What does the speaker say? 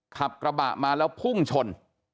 ขับกระบะมาแล้วพุ่งชน